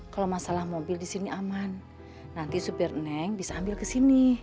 kalau masalah mobil di sini aman nanti supir neng bisa ambil ke sini